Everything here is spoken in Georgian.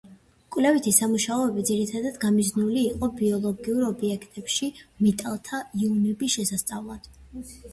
კვლევითი სამუშაოები ძირითადად გამიზნული იყო ბიოლოგიურ ობიექტებში მეტალთა იონების შესასწავლად.